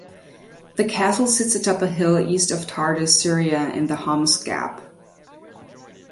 The castle sits atop a hill east of Tartus, Syria, in the Homs Gap.